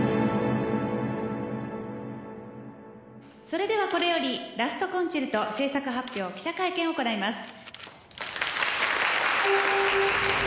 「それではこれより『ラスト・コンチェルト』制作発表記者会見を行います」